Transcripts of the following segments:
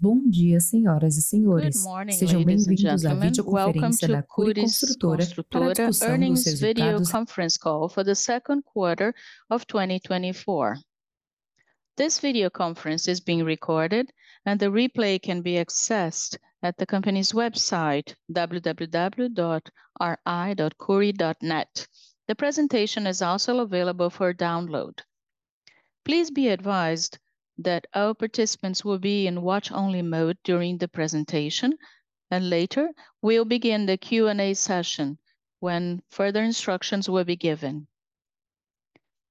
Good morning, ladies and gentlemen. Welcome to the Cury Construtora Earnings Video Conference Call for the Second Quarter of 2024. This video conference is being recorded, and the replay can be accessed at the company's website, www.ri.cury.net. The presentation is also available for download. Please be advised that all participants will be in watch-only mode during the presentation, and later, we'll begin the Q&A session, when further instructions will be given.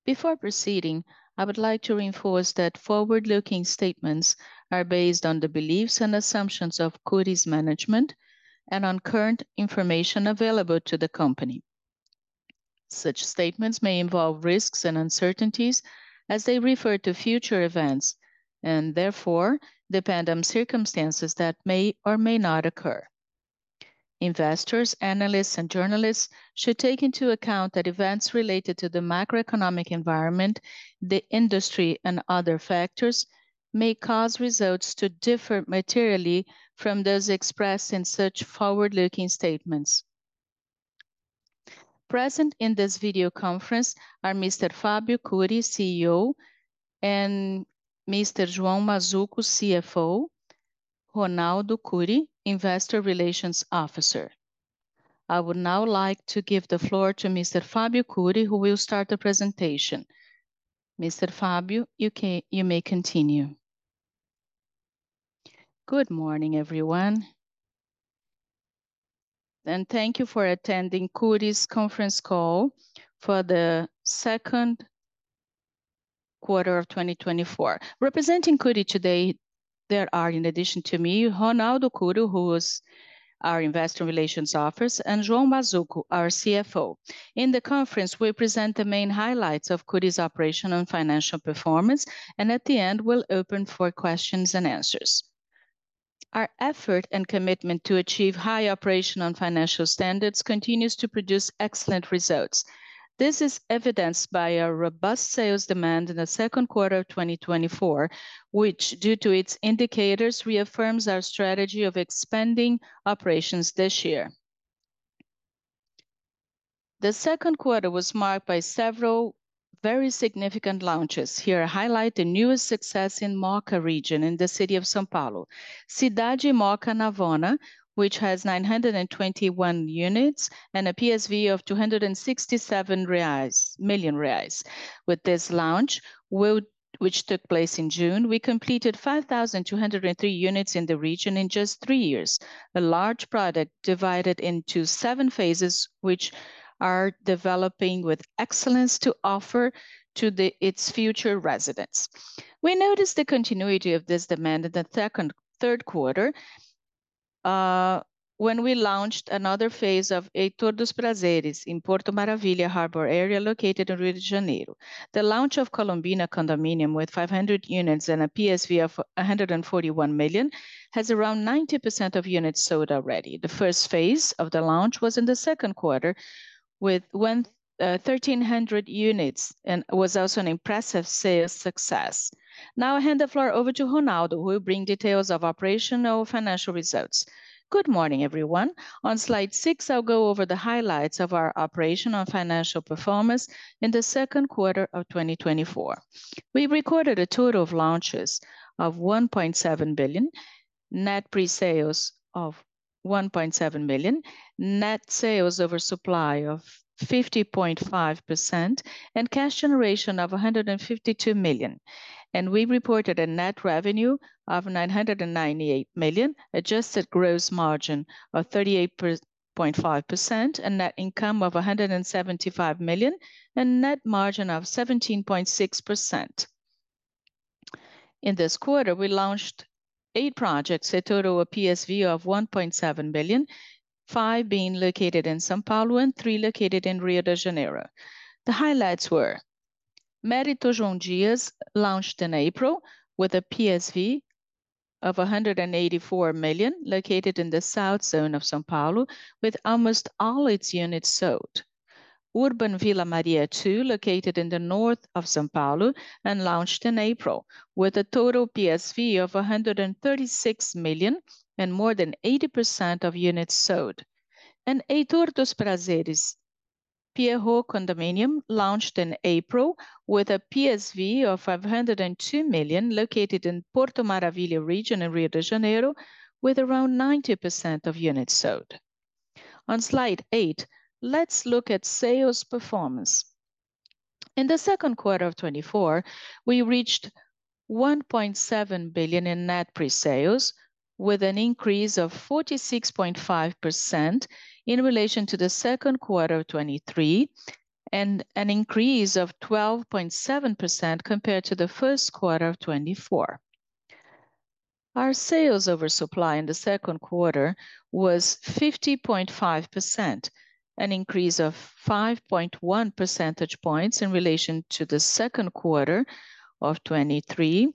Before proceeding, I would like to reinforce that forward-looking statements are based on the beliefs and assumptions of Cury's management and on current information available to the company. Such statements may involve risks and uncertainties as they refer to future events, and therefore, depend on circumstances that may or may not occur. Investors, analysts, and journalists should take into account that events related to the macroeconomic environment, the industry, and other factors may cause results to differ materially from those expressed in such forward-looking statements. Present in this video conference are Mr. Fábio Cury, CEO, and Mr. João Mazzuco, CFO, Ronaldo Cury, Investor Relations Officer. I would now like to give the floor to Mr. Fábio Cury, who will start the presentation. Mr. Fábio, you may continue. Good morning, everyone, and thank you for attending Cury's conference call for the second quarter of 2024. Representing Cury today, there are, in addition to me, Ronaldo Cury, who is our investor relations officer, and João Mazzuco, our CFO. In the conference, we'll present the main highlights of Cury's operational and financial performance, and at the end, we'll open for questions and answers. Our effort and commitment to achieve high operation on financial standards continues to produce excellent results. This is evidenced by a robust sales demand in the second quarter of 2024, which, due to its indicators, reaffirms our strategy of expanding operations this year. The second quarter was marked by several very significant launches. Here, I highlight the newest success in Mooca region, in the city of São Paulo. Cidade Mooca Navona, which has 921 units and a PSV of 267 million reais. With this launch, which took place in June, we completed 5,203 units in the region in just 3 years. A large project divided into 7 phases, which are developing with excellence to offer to its future residents. We noticed the continuity of this demand in the third quarter, when we launched another phase of Heitor dos Prazeres in Porto Maravilha, located in Rio de Janeiro. The launch of Condomínio Colombina, with 500 units and a PSV of 141 million, has around 90% of units sold already. The first phase of the launch was in the second quarter, with 1,300 units, and was also an impressive sales success. Now, I hand the floor over to Ronaldo, who will bring details of operational financial results. Good morning, everyone. On slide six, I'll go over the highlights of our operational financial performance in the second quarter of 2024. We recorded a total of launches of 1.7 billion, net pre-sales of 1.7 million, net sales over supply of 50.5%, and cash generation of 152 million. We reported a net revenue of 998 million, adjusted gross margin of 38.5%, a net income of 175 million, and net margin of 17.6%. In this quarter, we launched eight projects, a total of PSV of 1.7 billion, five being located in São Paulo and three located in Rio de Janeiro. The highlights were: Mérito João Dias, launched in April with a PSV of 184 million, located in the South Zone of São Paulo, with almost all its units sold. Urban Vila Maria 2, located in the North of São Paulo, and launched in April, with a total PSV of 136 million and more than 80% of units sold. Heitor dos Prazeres Pierrô Condominium, launched in April with a PSV of 502 million, located in Porto Maravilha region in Rio de Janeiro, with around 90% of units sold. On Slide 8, let's look at sales performance. In the second quarter of 2024, we reached 1.7 billion in net pre-sales, with an increase of 46.5% in relation to the second quarter of 2023, and an increase of 12.7% compared to the first quarter of 2024. Our sales oversupply in the second quarter was 50.5%, an increase of 5.1 percentage points in relation to the second quarter of 2023,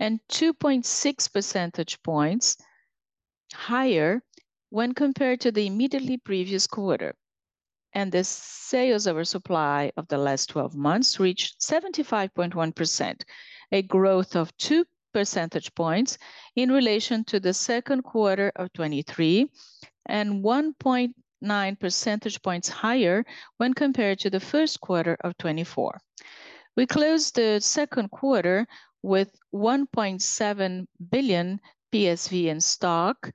and 2.6 percentage points higher when compared to the immediately previous quarter. The sales of our supply of the last twelve months reached 75.1%, a growth of 2 percentage points in relation to the second quarter of 2023, and 1.9 percentage points higher when compared to the first quarter of 2024. We closed the second quarter with 1.7 billion PSV in stock,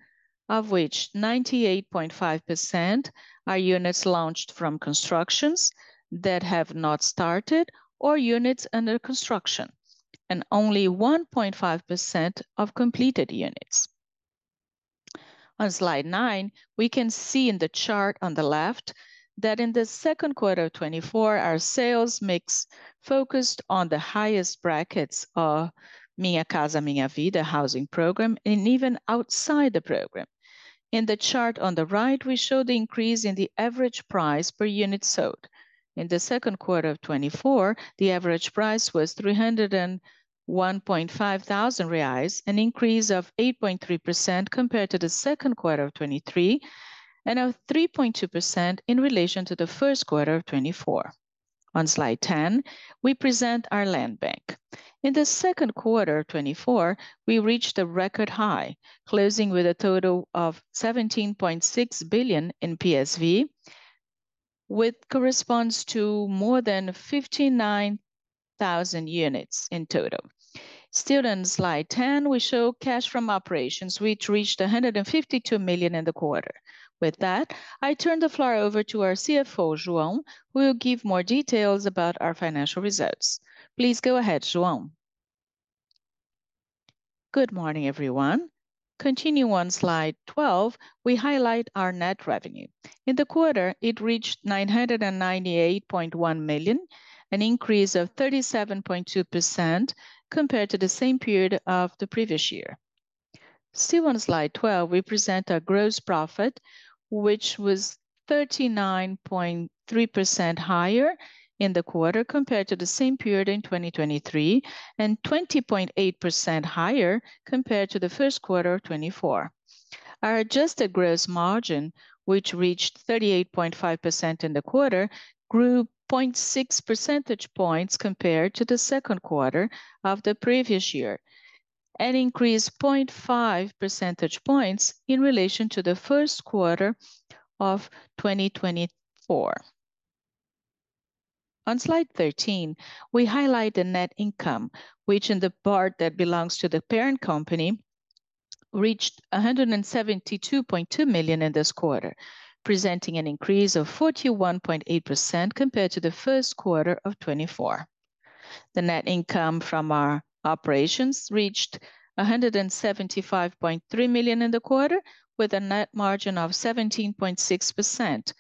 of which 98.5% are units launched from constructions that have not started, or units under construction, and only 1.5% of completed units. On slide nine, we can see in the chart on the left, that in the second quarter of 2024, our sales mix focused on the highest brackets of Minha Casa, Minha Vida housing program, and even outside the program. In the chart on the right, we show the increase in the average price per unit sold. In the second quarter of 2024, the average price was 301.5 thousand reais, an increase of 8.3% compared to the second quarter of 2023, and of 3.2% in relation to the first quarter of 2024. On slide ten, we present our land bank. In the second quarter of 2024, we reached a record high, closing with a total of 17.6 billion in PSV, which corresponds to more than 59,000 units in total. Still on slide 10, we show cash from operations, which reached 152 million in the quarter. With that, I turn the floor over to our CFO, João, who will give more details about our financial results. Please go ahead, João. Good morning, everyone. Continuing on slide 12, we highlight our net revenue. In the quarter, it reached 998.1 million, an increase of 37.2% compared to the same period of the previous year. Still on slide 12, we present our gross profit, which was 39.3% higher in the quarter compared to the same period in 2023, and 20.8% higher compared to the first quarter of 2024. Our adjusted gross margin, which reached 38.5% in the quarter, grew 0.6 percentage points compared to the second quarter of the previous year, and increased 0.5 percentage points in relation to the first quarter of 2024. On slide 13, we highlight the net income, which in the part that belongs to the parent company, reached 172.2 million in this quarter, presenting an increase of 41.8% compared to the first quarter of 2024. The net income from our operations reached 175.3 million in the quarter, with a net margin of 17.6%,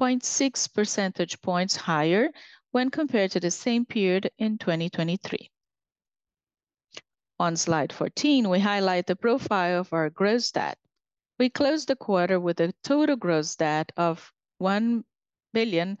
0.6 percentage points higher when compared to the same period in 2023. On slide 14, we highlight the profile of our gross debt. We closed the quarter with a total gross debt of 1.08 billion,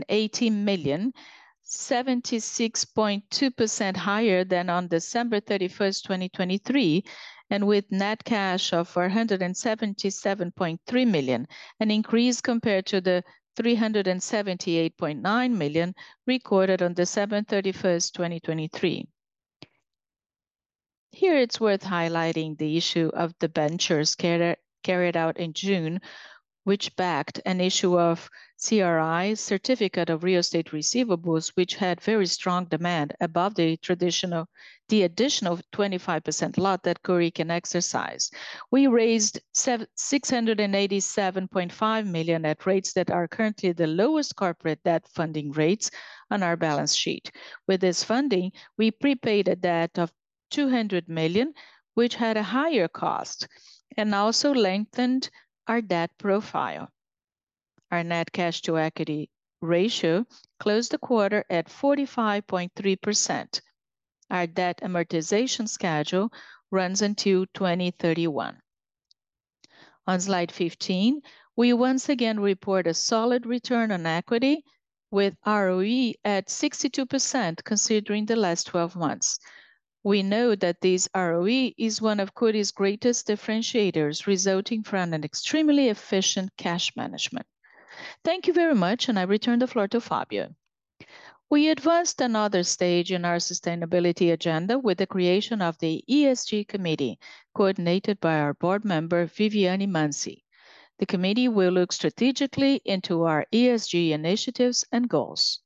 76.2% higher than on December 31, 2023, and with net cash of 477.3 million, an increase compared to the 378.9 million recorded on December 31, 2023. Here, it's worth highlighting the issue of debentures carried out in June, which backed an issue of CRI, Certificate of Real Estate Receivables, which had very strong demand above the additional 25% lot that Cury can exercise. We raised 687.5 million at rates that are currently the lowest corporate debt funding rates on our balance sheet. With this funding, we prepaid a debt of 200 million, which had a higher cost, and also lengthened our debt profile. Our net cash to equity ratio closed the quarter at 45.3%. Our debt amortization schedule runs until 2031. On slide 15, we once again report a solid return on equity, with ROE at 62%, considering the last 12 months. We know that this ROE is one of Cury's greatest differentiators, resulting from an extremely efficient cash management. Thank you very much, and I return the floor to Fabio. We advanced another stage in our sustainability agenda with the creation of the ESG committee, coordinated by our board member, Viviane Mansi. The committee will look strategically into our ESG initiatives and goals.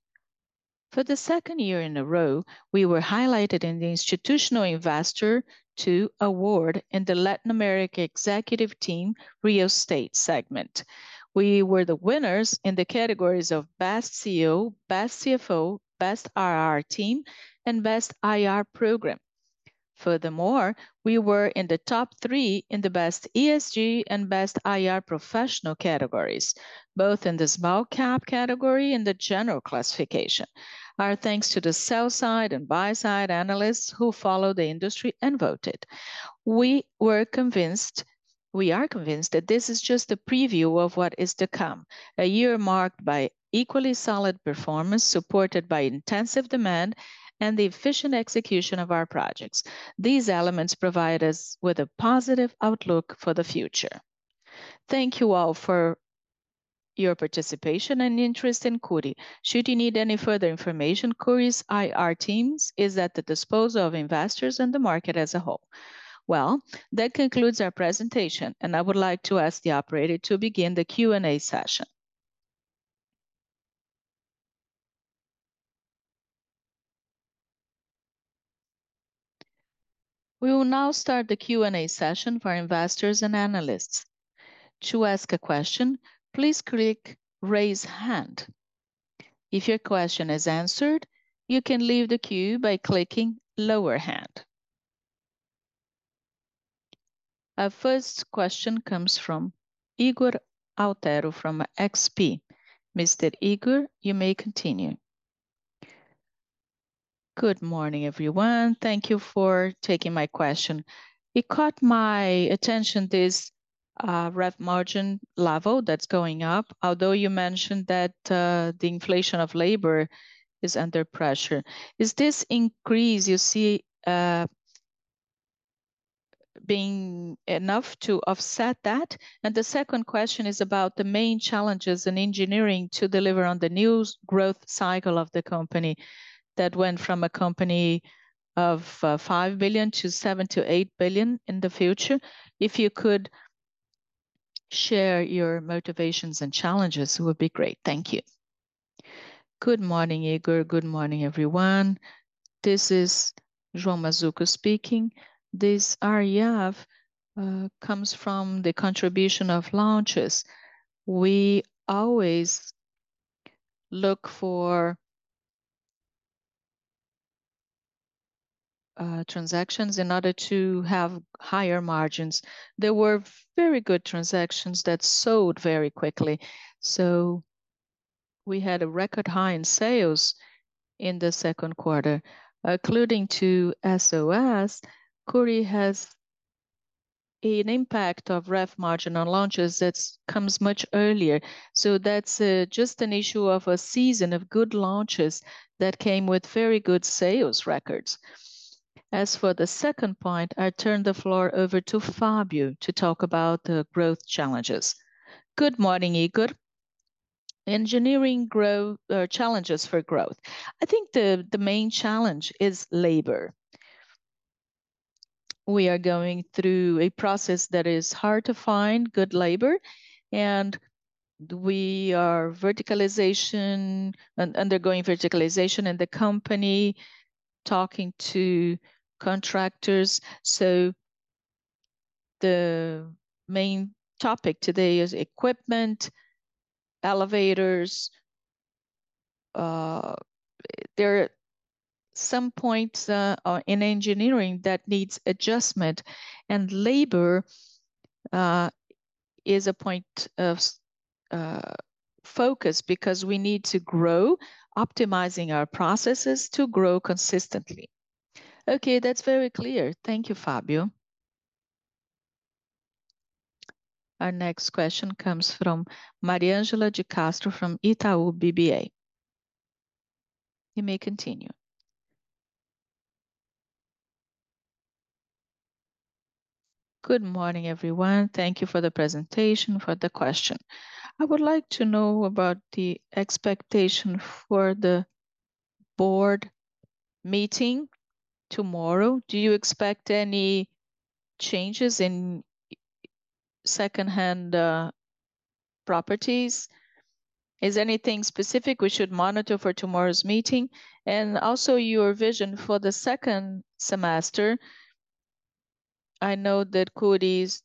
For the second year in a row, we were highlighted in the Institutional Investor II Award in the Latin America Executive Team Real Estate segment. We were the winners in the categories of Best CEO, Best CFO, Best IR Team, and Best IR Program. Furthermore, we were in the top three in the Best ESG and Best IR Professional categories, both in the small cap category and the general classification. Our thanks to the sell side and buy side analysts who followed the industry and voted. We were convinced-- We are convinced that this is just a preview of what is to come. A year marked by equally solid performance, supported by intensive demand and the efficient execution of our projects. These elements provide us with a positive outlook for the future. Thank you all for your participation and interest in Cury. Should you need any further information, Cury's IR teams is at the disposal of investors and the market as a whole. Well, that concludes our presentation, and I would like to ask the operator to begin the Q&A session. We will now start the Q&A session for investors and analysts. To ask a question, please click Raise Hand. If your question is answered, you can leave the queue by clicking Lower Hand. Our first question comes from Ygor Altero from XP. Mr. Ygor, you may continue. Good morning, everyone. Thank you for taking my question. It caught my attention, this, REF margin level that's going up, although you mentioned that, the inflation of labor is under pressure. Is this increase you see, being enough to offset that? And the second question is about the main challenges in engineering to deliver on the new growth cycle of the company, that went from a company of, 5 billion to 7 billion to 8 billion in the future. If you could share your motivations and challenges, it would be great. Thank you. Good morning, Ygor. Good morning, everyone. This is João Mazzuco speaking. This REF comes from the contribution of launches. We always look for transactions in order to have higher margins. There were very good transactions that sold very quickly, so we had a record high in sales in the second quarter. According to SoS, Cury has an impact of REF margin on launches that's comes much earlier. So that's just an issue of a season of good launches that came with very good sales records. As for the second point, I turn the floor over to Fábio to talk about the growth challenges. Good morning, Igor. Engineering growth challenges for growth. I think the main challenge is labor. We are going through a process that is hard to find good labor, and we are undergoing verticalization in the company, talking to contractors. So the main topic today is equipment, elevators. There are some points in engineering that needs adjustment, and labor is a point of focus because we need to grow, optimizing our processes to grow consistently. Okay, that's very clear. Thank you, Fabio. Our next question comes from Mariangela de Castro from Itaú BBA. You may continue. Good morning, everyone. Thank you for the presentation, for the question. I would like to know about the expectation for the board meeting tomorrow. Do you expect any changes in second-hand properties? Is anything specific we should monitor for tomorrow's meeting? And also, your vision for the second semester. I know that Cury's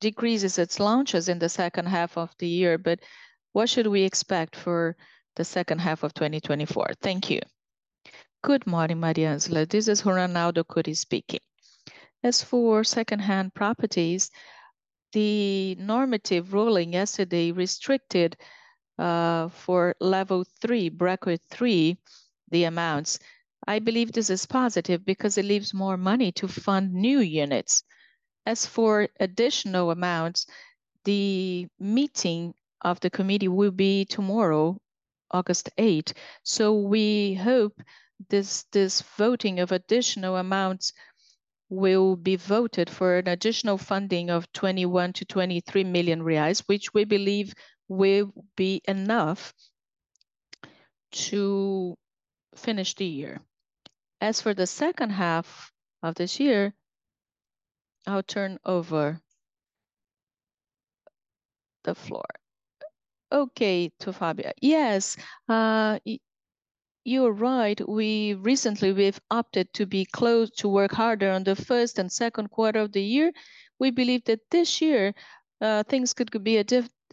decreases its launches in the second half of the year, but what should we expect for the second half of 2024? Thank you. Good morning, Mariangela. This is Ronaldo Cury speaking. As for second-hand properties, the normative ruling yesterday restricted for level three, bracket three, the amounts. I believe this is positive because it leaves more money to fund new units. As for additional amounts, the meeting of the committee will be tomorrow, August 8, so we hope this voting of additional amounts will be voted for an additional funding of 21 million-23 million reais, which we believe will be enough to finish the year. As for the second half of this year, I'll turn over the floor... Okay, to Fábio. Yes, you are right. We recently, we've opted to be closed to work harder on the first and second quarter of the year. We believe that this year, things could be a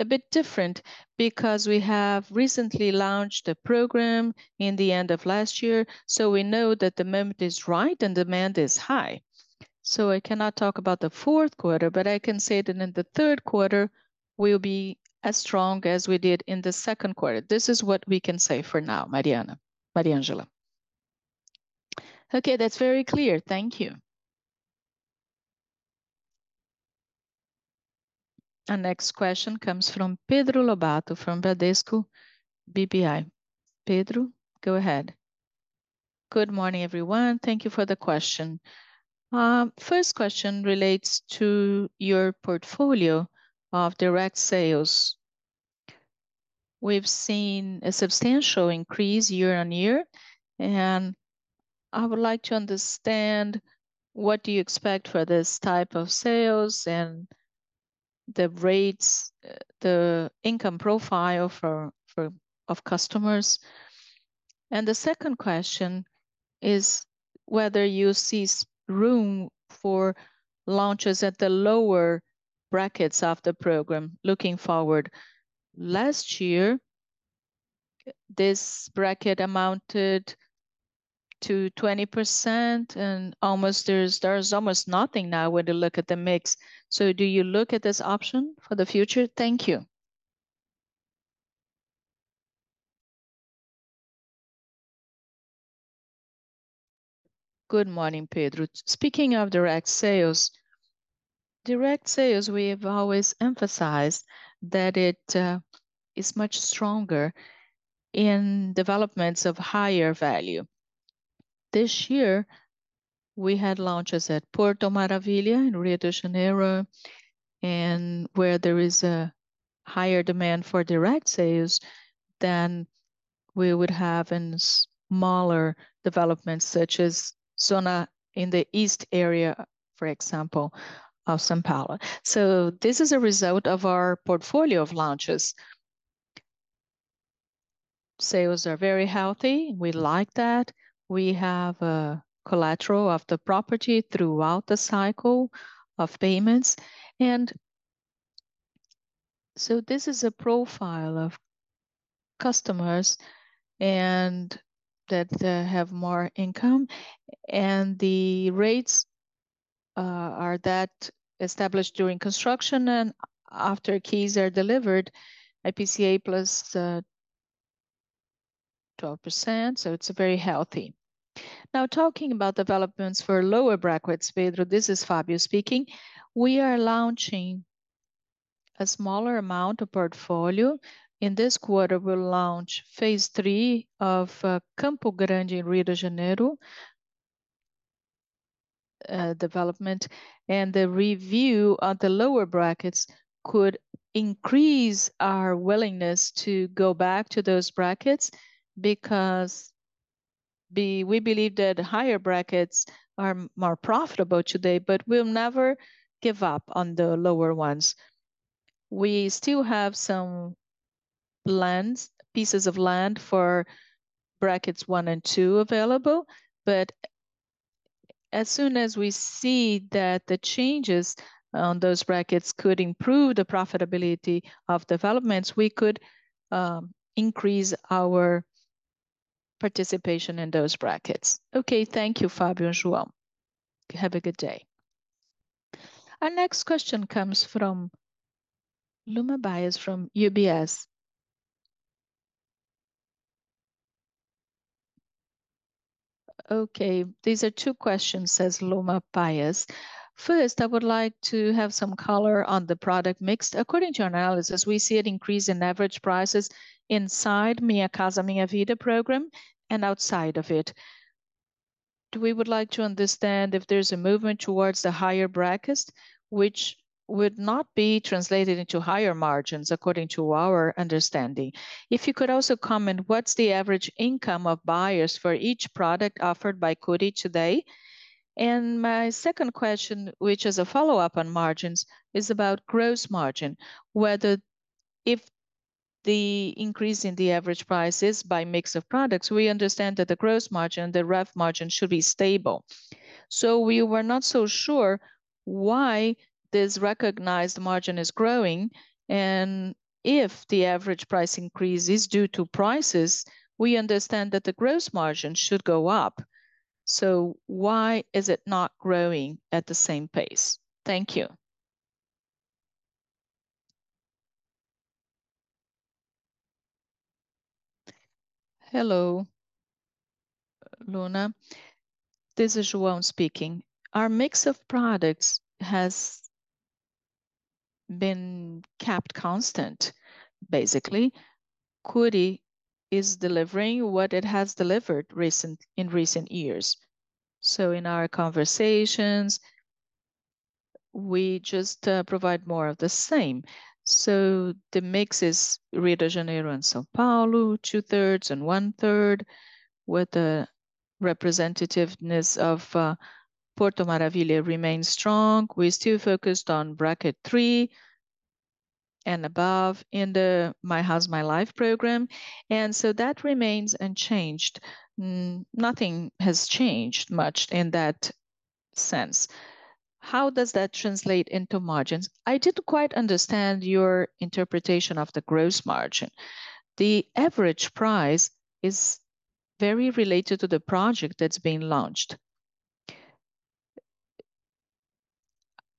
bit different, because we have recently launched a program in the end of last year, so we know that the moment is right and demand is high. So I cannot talk about the fourth quarter, but I can say that in the third quarter, we'll be as strong as we did in the second quarter. This is what we can say for now, Mariangela. Okay, that's very clear. Thank you. Our next question comes from Pedro Lobato, from Bradesco BBI. Pedro, go ahead. Good morning, everyone. Thank you for the question. First question relates to your portfolio of direct sales. We've seen a substantial increase year-over-year, and I would like to understand what do you expect for this type of sales and the rates, the income profile of customers? The second question is whether you see room for launches at the lower brackets of the program looking forward. Last year, this bracket amounted to 20% and there's almost nothing now when you look at the mix. So do you look at this option for the future? Thank you. Good morning, Pedro. Speaking of direct sales, direct sales, we've always emphasized that it is much stronger in developments of higher value. This year, we had launches at Porto Maravilha, in Rio de Janeiro, and where there is a higher demand for direct sales than we would have in smaller developments, such as Zona Leste, for example, of São Paulo. So this is a result of our portfolio of launches. Sales are very healthy. We like that. We have a collateral of the property throughout the cycle of payments. So this is a profile of customers and that have more income, and the rates are that established during construction, and after keys are delivered, IPCA plus 12%, so it's very healthy. Now, talking about developments for lower brackets, Pedro, this is Fabio speaking. We are launching a smaller amount of portfolio. In this quarter, we'll launch phase three of Campo Grande in Rio de Janeiro development. The review at the lower brackets could increase our willingness to go back to those brackets because we believe that higher brackets are more profitable today, but we'll never give up on the lower ones. We still have some lands, pieces of land for brackets one and two available. But as soon as we see that the changes on those brackets could improve the profitability of developments, we could increase our participation in those brackets. Okay, thank you, Fabio and João. Have a good day. Our next question comes from Luna Bias from UBS. Okay, these are two questions, says Luna Bias. "First, I would like to have some color on the product mix. According to analysts, we see an increase in average prices inside Minha Casa, Minha Vida program and outside of it. We would like to understand if there's a movement towards the higher brackets, which would not be translated into higher margins, according to our understanding. If you could also comment, what's the average income of buyers for each product offered by Cury today? And my second question, which is a follow-up on margins, is about gross margin, whether if the increase in the average price is by mix of products, we understand that the gross margin, the REF margin, should be stable. So we were not so sure why this recognized margin is growing, and if the average price increase is due to prices, we understand that the gross margin should go up. So why is it not growing at the same pace? Thank you." Hello, Luna. This is João speaking. Our mix of products has been kept constant, basically. Cury is delivering what it has delivered in recent years. So in our conversations, we just provide more of the same. So the mix is Rio de Janeiro and São Paulo, two-thirds and one-third, with the representativeness of Porto Maravilha remains strong. We're still focused on bracket three and above in the My House, My Life program, and so that remains unchanged. Nothing has changed much in that sense. How does that translate into margins? I didn't quite understand your interpretation of the gross margin. The average price is very related to the project that's being launched.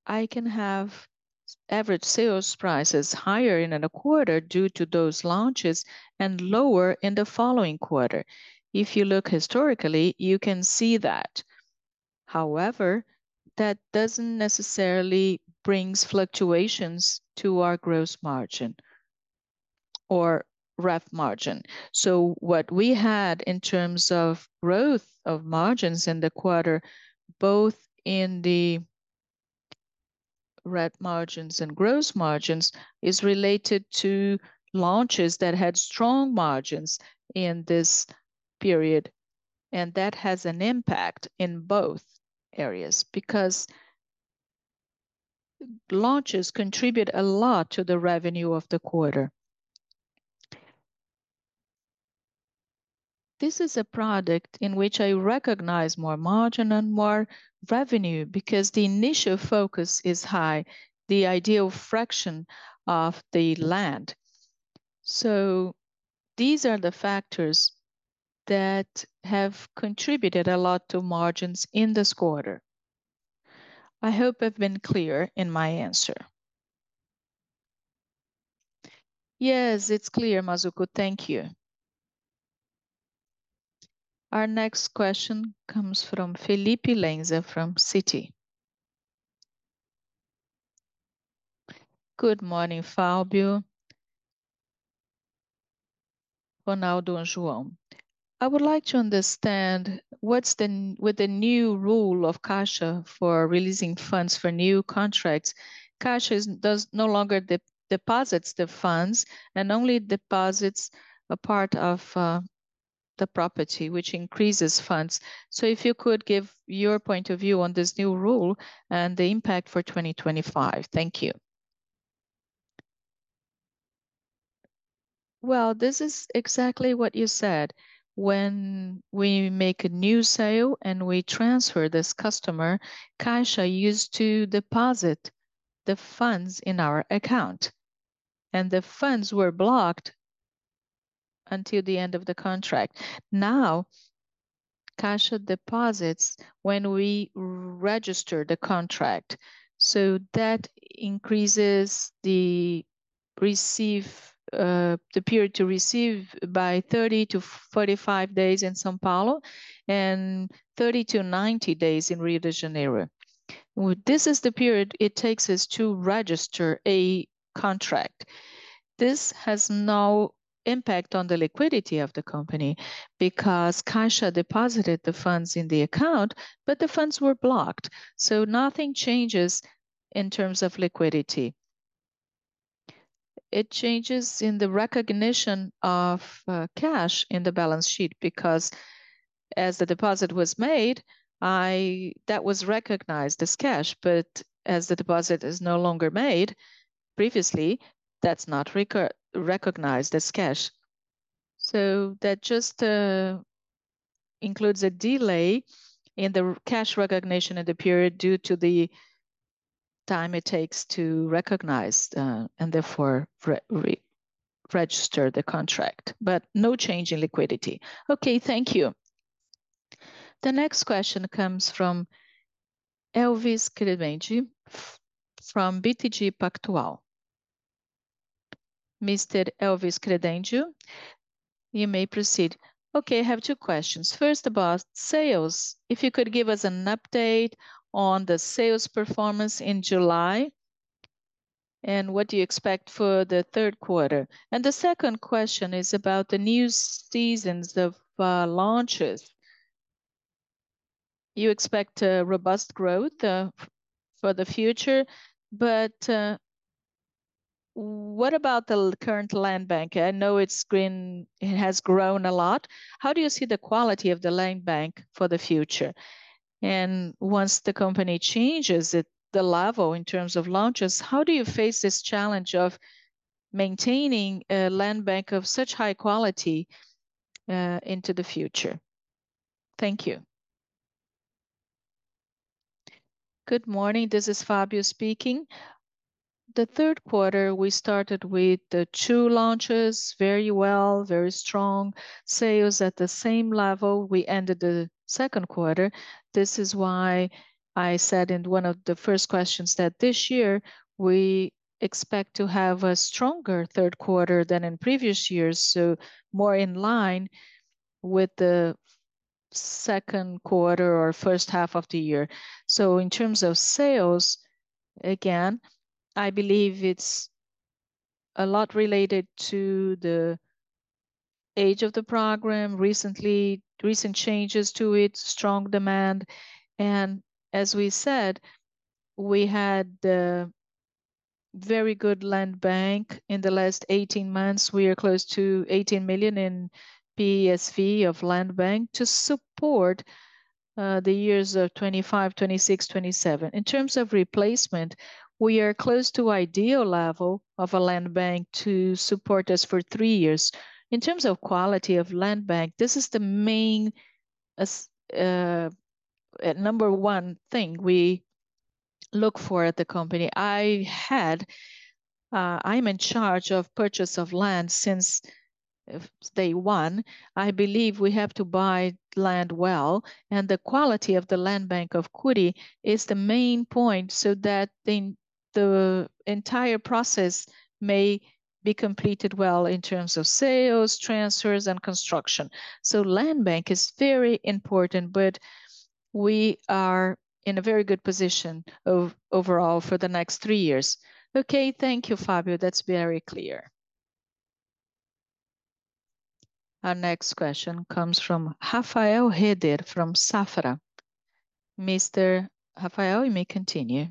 I can have average sales prices higher in a quarter due to those launches, and lower in the following quarter. If you look historically, you can see that. However, that doesn't necessarily brings fluctuations to our gross margin... or REF margin. So what we had in terms of growth of margins in the quarter, both in the REF margins and gross margins, is related to launches that had strong margins in this period, and that has an impact in both areas, because launches contribute a lot to the revenue of the quarter. This is a product in which I recognize more margin and more revenue, because the initial focus is high, the ideal fraction of the land. So these are the factors that have contributed a lot to margins in this quarter. I hope I've been clear in my answer. Yes, it's clear, Mazzuco. Thank you. Our next question comes from Felipe Leiser from Citi. Good morning, Fábio, Ronaldo, and João. I would like to understand what's the with the new rule of Caixa for releasing funds for new contracts. Caixa no longer deposits the funds, and only deposits a part of the property, which increases funds. So if you could give your point of view on this new rule and the impact for 2025. Thank you. Well, this is exactly what you said. When we make a new sale and we transfer this customer, Caixa used to deposit the funds in our account, and the funds were blocked until the end of the contract. Now, Caixa deposits when we register the contract, so that increases the receive, the period to receive by 30-45 days in São Paulo, and 30-90 days in Rio de Janeiro. Well, this is the period it takes us to register a contract. This has no impact on the liquidity of the company, because Caixa deposited the funds in the account, but the funds were blocked. So nothing changes in terms of liquidity. It changes in the recognition of, cash in the balance sheet, because as the deposit was made, that was recognized as cash, but as the deposit is no longer made previously, that's not recognized as cash. So that just includes a delay in the cash recognition of the period due to the time it takes to recognize and therefore re-register the contract, but no change in liquidity. Okay, thank you. The next question comes from Elvis Credencio from BTG Pactual. Mr. Elvis Credencio, you may proceed. Okay, I have two questions. First about sales. If you could give us an update on the sales performance in July, and what do you expect for the third quarter? And the second question is about the new seasons of launches. You expect a robust growth for the future, but what about the current land bank? I know it's grown. It has grown a lot. How do you see the quality of the land bank for the future? Once the company changes it, the level in terms of launches, how do you face this challenge of maintaining a land bank of such high quality into the future? Thank you. Good morning, this is Fábio speaking. The third quarter, we started with two launches, very well, very strong. Sales at the same level we ended the second quarter. This is why I said in one of the first questions that this year, we expect to have a stronger third quarter than in previous years, so more in line with the second quarter or first half of the year. So in terms of sales, again, I believe it's a lot related to the age of the program. Recent changes to it, strong demand, and as we said, we had a very good land bank. In the last eighteen months, we are close to 18 million in PSV of land bank to support the years of 2025, 2026, 2027. In terms of replacement, we are close to ideal level of a land bank to support us for three years. In terms of quality of land bank, this is the main number one thing we look for at the company. I'm in charge of purchase of land since day one. I believe we have to buy land well, and the quality of the land bank of Cury is the main point, so that the entire process may be completed well in terms of sales, transfers, and construction. So land bank is very important, but we are in a very good position overall for the next three years. Okay, thank you, Fabio. That's very clear. Our next question comes from Rafael Rehder from Safra. Mr. Rafael, you may continue.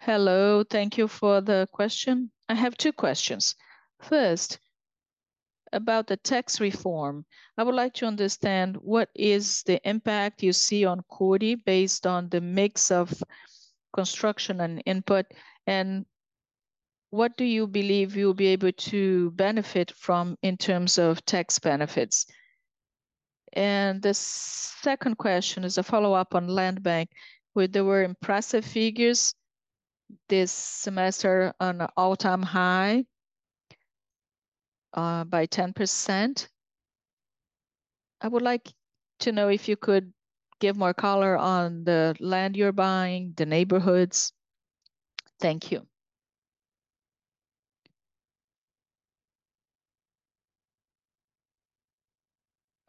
Hello, thank you for the question. I have two questions. First, about the tax reform, I would like to understand what is the impact you see on Cury based on the mix of construction and input, and what do you believe you'll be able to benefit from in terms of tax benefits? And the second question is a follow-up on land bank, where there were impressive figures this semester on an all-time high, by 10%. I would like to know if you could give more color on the land you're buying, the neighborhoods. Thank you.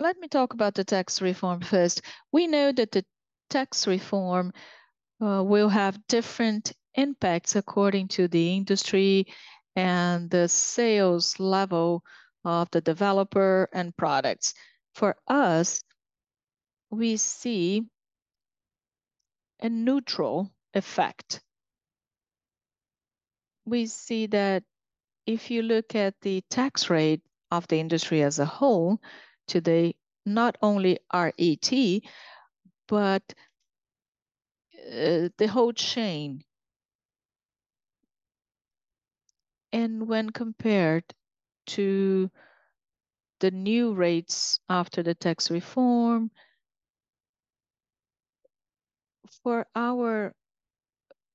Let me talk about the tax reform first. We know that the tax reform will have different impacts according to the industry and the sales level of the developer and products. For us, we see a neutral effect. We see that if you look at the tax rate of the industry as a whole, today, not only RET, but the whole chain. And when compared to the new rates after the tax reform, for our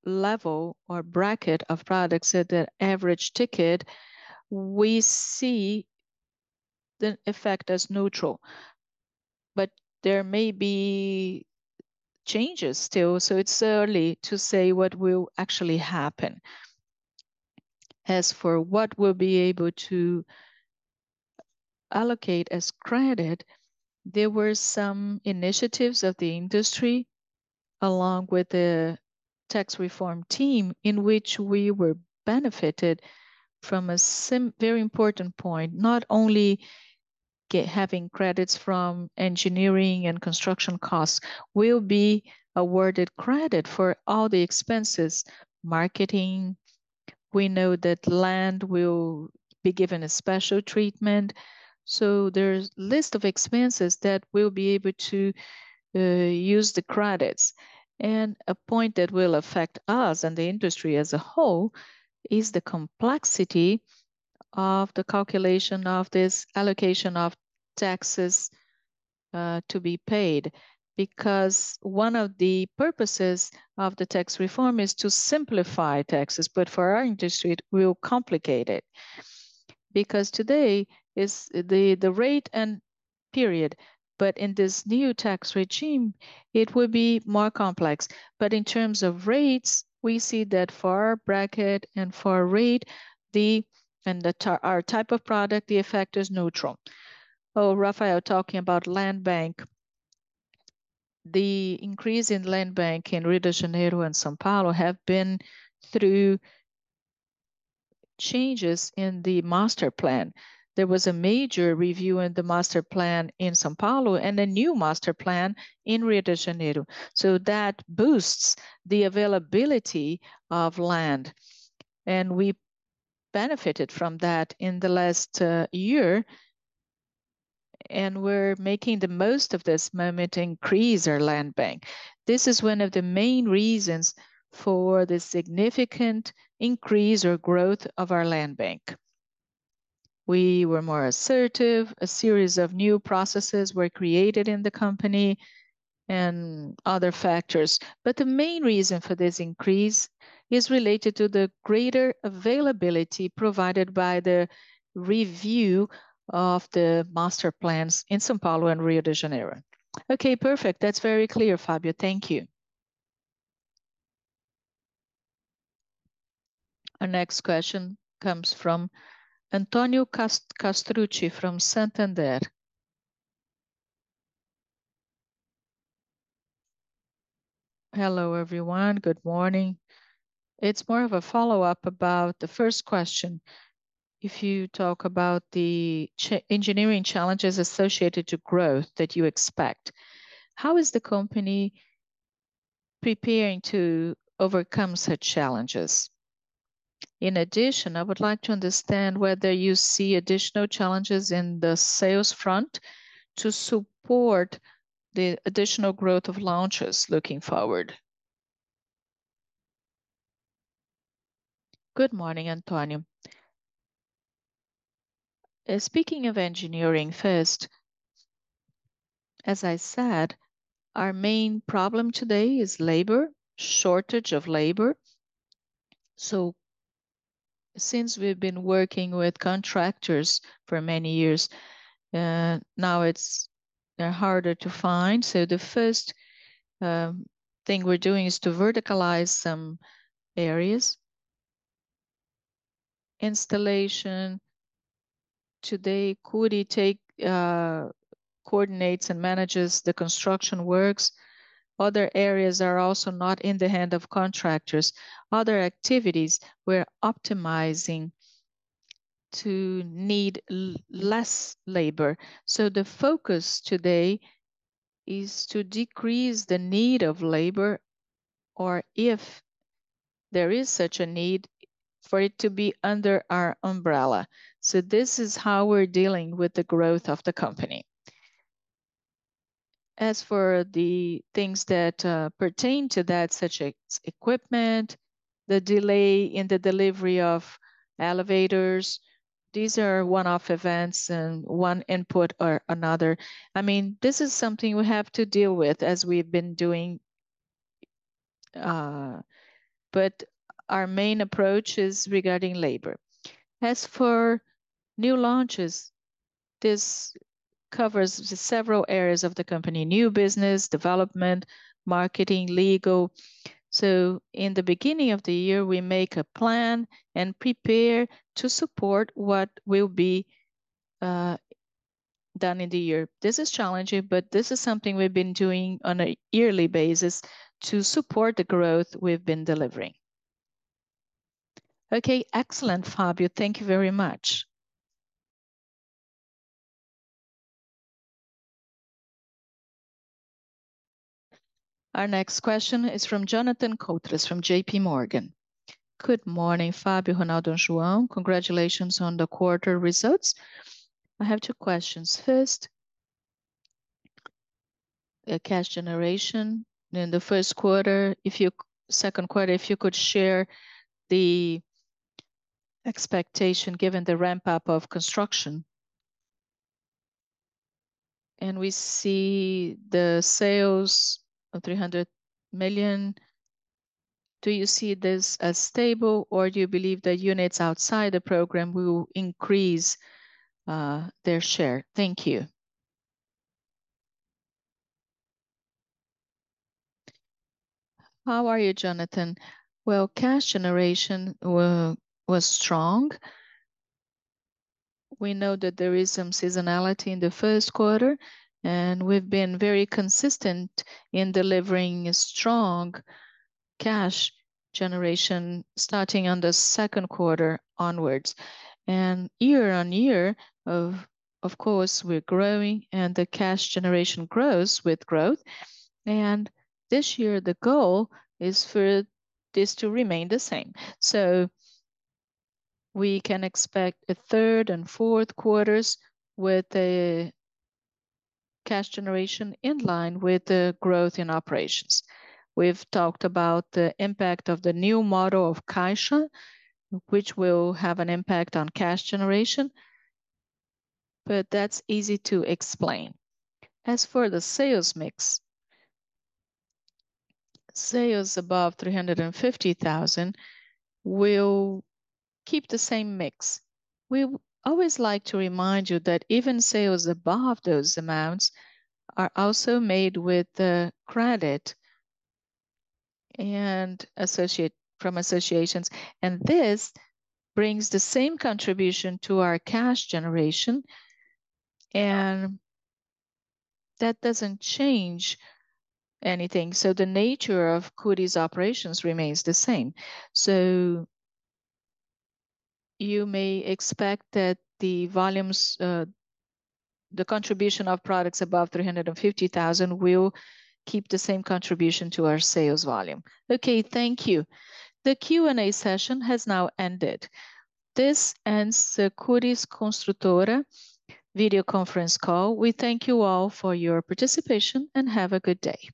level or bracket of products at the average ticket, we see the effect as neutral. But there may be changes still, so it's early to say what will actually happen. As for what we'll be able to allocate as credit, there were some initiatives of the industry, along with the tax reform team, in which we were benefited from a very important point. Not only having credits from engineering and construction costs, we'll be awarded credit for all the expenses. Marketing, we know that land will be given a special treatment, so there's list of expenses that we'll be able to use the credits. And a point that will affect us and the industry as a whole is the complexity of the calculation of this allocation of taxes to be paid. Because one of the purposes of the tax reform is to simplify taxes, but for our industry, it will complicate it. Because today is the rate and period, but in this new tax regime, it will be more complex. But in terms of rates, we see that for our bracket and for our rate, and our type of product, the effect is neutral. Oh, Rafael, talking about land bank. The increase in land bank in Rio de Janeiro and São Paulo have been through changes in the master plan. There was a major review in the master plan in São Paulo, and a new master plan in Rio de Janeiro. So that boosts the availability of land, and we benefited from that in the last year, and we're making the most of this moment increase our land bank. This is one of the main reasons for the significant increase or growth of our land bank. We were more assertive, a series of new processes were created in the company, and other factors. But the main reason for this increase is related to the greater availability provided by the review of the master plans in São Paulo and Rio de Janeiro. Okay, perfect. That's very clear, Fabio. Thank you. Our next question comes from Antonio Castrucci from Santander. Hello, everyone. Good morning. It's more of a follow-up about the first question. If you talk about the engineering challenges associated to growth that you expect, how is the company preparing to overcome such challenges? In addition, I would like to understand whether you see additional challenges in the sales front to support the additional growth of launches looking forward. Good morning, Antonio. Speaking of engineering, first, as I said, our main problem today is labor, shortage of labor. So since we've been working with contractors for many years, now it's, they're harder to find. So the first thing we're doing is to verticalize some areas. Installation, today, Cury coordinates and manages the construction works. Other areas are also not in the hand of contractors. Other activities, we're optimizing to need less labor. So the focus today is to decrease the need of labor, or if there is such a need, for it to be under our umbrella. So this is how we're dealing with the growth of the company. As for the things that pertain to that, such as equipment, the delay in the delivery of elevators, these are one-off events and one input or another. I mean, this is something we have to deal with, as we've been doing, but our main approach is regarding labor. As for new launches, this covers several areas of the company: new business, development, marketing, legal. So in the beginning of the year, we make a plan and prepare to support what will be done in the year. This is challenging, but this is something we've been doing on a yearly basis to support the growth we've been delivering. Okay, excellent, Fábio. Thank you very much. Our next question is from Jonathan Koutras from J.P. Morgan. Good morning, Fábio, Ronaldo, João. Congratulations on the quarter results. I have two questions. First, cash generation in the first quarter, second quarter, if you could share the expectation, given the ramp-up of construction. And we see the sales of 300 million. Do you see this as stable, or do you believe the units outside the program will increase their share? Thank you. How are you, Jonathan? Well, cash generation was strong. We know that there is some seasonality in the first quarter, and we've been very consistent in delivering a strong cash generation, starting on the second quarter onwards. And year-on-year, of course, we're growing, and the cash generation grows with growth. And this year, the goal is for this to remain the same. So we can expect a third and fourth quarters with a cash generation in line with the growth in operations. We've talked about the impact of the new model of Caixa, which will have an impact on cash generation, but that's easy to explain. As for the sales mix, sales above 350,000 will keep the same mix. We always like to remind you that even sales above those amounts are also made with the credit and associate-- from associations, and this brings the same contribution to our cash generation, and that doesn't change anything. So the nature of Cury's operations remains the same. So you may expect that the volumes, the contribution of products above 350,000 will keep the same contribution to our sales volume. Okay, thank you. The Q&A session has now ended. This ends the Cury Construtora Video Conference Call. We thank you all for your participation, and have a good day.